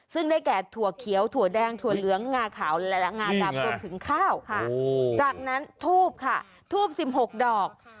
ซึ่งได้แก่ถั่วเขียวถั่วแดงถั่วเหลืองงาขาวและงาดำรวมถึงข้าวค่ะจากนั้นทูบค่ะทูบ๑๖ดอก